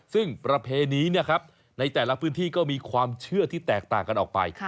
ซึ่งประเพณีในแต่ละพื้นที่ก็มีความเชื่อที่แตกต่างกันออกไป